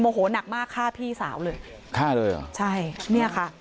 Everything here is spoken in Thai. โหนักมากฆ่าพี่สาวเลยฆ่าเลยเหรอใช่เนี่ยค่ะ